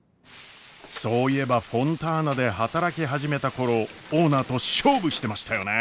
そういえばフォンターナで働き始めた頃オーナーと勝負してましたよね。